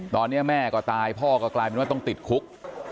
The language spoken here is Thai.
ตอนนี้แม่ก็ตายพ่อก็กลายเป็นว่าต้องติดคุก